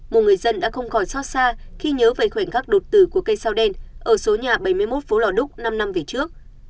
một người dân đã không còn xót xa khi nhớ về khoảnh khắc đột tử của cây sao đen ở số nhà bảy mươi một phố lò đúc năm năm về trước